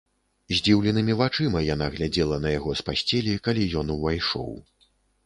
Здзіўленымі вачыма яна глядзела на яго з пасцелі, калі ён увайшоў.